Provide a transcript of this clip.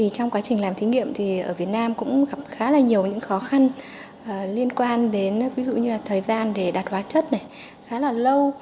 trong quá trình làm thí nghiệm ở việt nam cũng gặp khá nhiều khó khăn liên quan đến thời gian đạt hóa chất khá lâu